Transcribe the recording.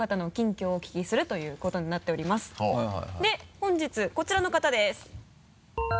本日こちらの方です。